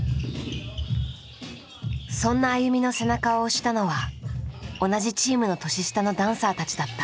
そんなＡＹＵＭＩの背中を押したのは同じチームの年下のダンサーたちだった。